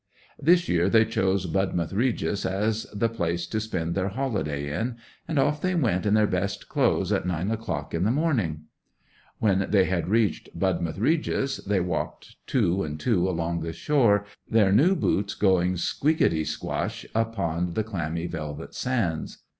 This year they chose Budmouth Regis as the place to spend their holiday in; and off they went in their best clothes at nine o'clock in the morning. 'When they had reached Budmouth Regis they walked two and two along the shore—their new boots going squeakity squash upon the clammy velvet sands.